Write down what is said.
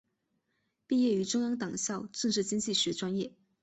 毕业于中央党校政治经济学专业。